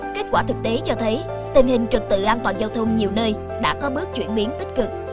kết quả thực tế cho thấy tình hình trực tự an toàn giao thông nhiều nơi đã có bước chuyển biến tích cực